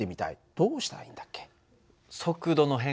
どうしたらいいんだっけ？